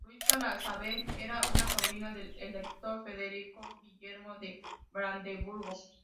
Luisa Isabel era una sobrina del Elector Federico Guillermo de Brandeburgo.